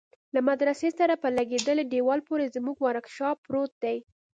له مدرسه سره په لگېدلي دېوال پورې زموږ ورکشاپ پروت دى.